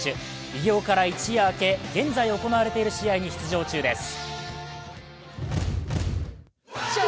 偉業から一夜明け、現在行われている試合に出場中です。